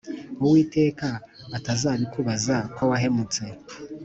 uwiteka atazabikubaza ko wahemutse